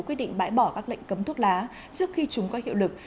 quyết định bãi bỏ các lệnh cấm thuốc lá trước khi chúng có hiệu lực